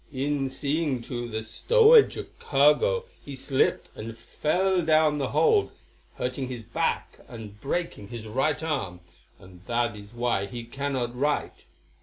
"In seeing to the stowage of cargo he slipped and fell down the hold, hurting his back and breaking his right arm, and that is why he cannot write.